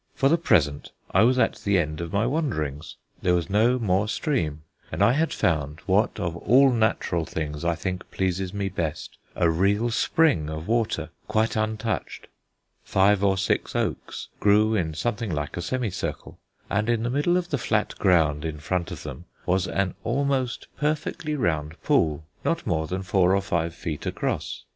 For the present I was at the end of my wanderings. There was no more stream, and I had found what of all natural things I think pleases me best, a real spring of water quite untouched. Five or six oaks grew in something like a semicircle, and in the middle of the flat ground in front of them was an almost perfectly round pool, not more than four or five feet across.